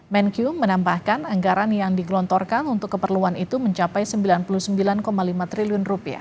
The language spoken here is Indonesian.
menkyu menambahkan anggaran yang digelontorkan untuk keperluan itu mencapai rp sembilan puluh sembilan lima triliun